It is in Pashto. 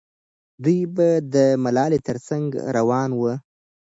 دوی به د ملالۍ تر څنګ روان وو.